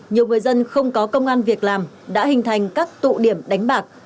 nhiều người dân không có công an việc làm đã hình thành các tụ điểm đánh bạc